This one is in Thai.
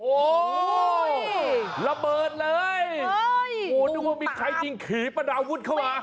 โอ้โหระเบิดเลยนึกว่ามีใครทิ้งขี่ประนาวุฒิเข้ามา